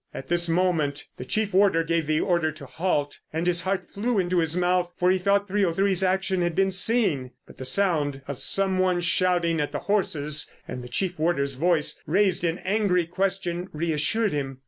At this moment the chief warder gave the order to halt, and his heart flew into his mouth, for he thought 303's action had been seen. But the sound of some one shouting at the horses, and the chief warder's voice raised in angry question, reassured him.